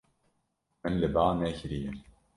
Min li ba nekiriye.